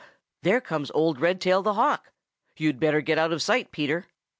There comes old Redtail the Hawk. You'd better get out of sight, Peter."